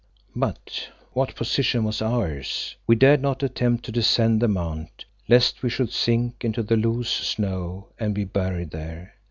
But what a position was ours! We dared not attempt to descend the mount, lest we should sink into the loose snow and be buried there.